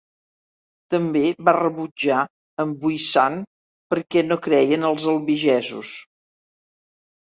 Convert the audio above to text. També va rebutjar en Vuissane perquè no creia en els albigesos.